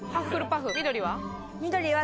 緑は？